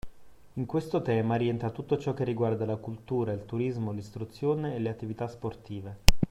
In questo tema rientra tutto ciò che riguarda la cultura, il turismo, l’istruzione e le attività sportive